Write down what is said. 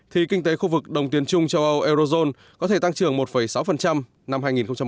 thì kinh tế khu vực đồng tiền chung châu âu eurozone có thể tăng trưởng một sáu năm hai nghìn hai mươi